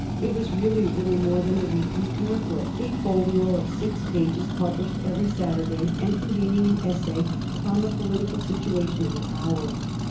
It was really little more than a weekly pamphlet, a folio of six pages published every Saturday, and containing an essay upon the political situation of the hour.